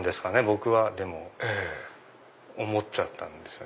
僕はでも思っちゃったんです。